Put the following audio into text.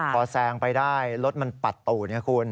พอแซงไปได้รถมันปัดตู่เนี่ยคุณ